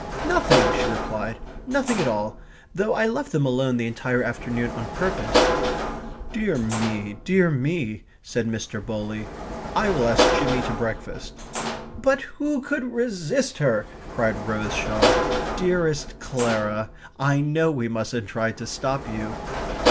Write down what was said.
"Nothing!" she replied. "Nothing at all though I left them alone the entire afternoon on purpose." "Dear me, dear me," said Mr. Bowley. "I will ask Jimmy to breakfast." "But who could resist her?" cried Rose Shaw. "Dearest Clara I know we mustn't try to stop you..."